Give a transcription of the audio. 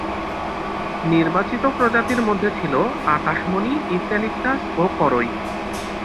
নির্বাচিত প্রজাতির মধ্যে ছিল আকাশমণি, ইউক্যালিপটাস ও করই।